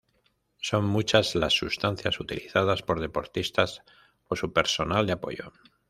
Son muchas las sustancias utilizadas por deportistas o su personal de apoyo.